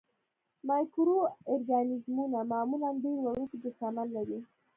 مایکرو ارګانیزمونه معمولاً ډېر وړوکی جسامت لري.